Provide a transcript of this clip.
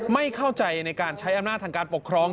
ไม่เข้าใจในการใช้อำนาจทางการปกครอง